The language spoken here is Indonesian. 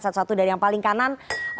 satu satu dari yang paling kanan